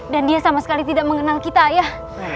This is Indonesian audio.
dan dia sama sekali tidak mengenal kita ayah